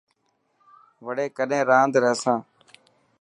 وڙي ڪڏهن راند رحسان.